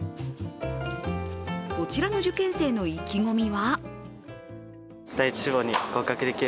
こちらの受験生の意気込みは？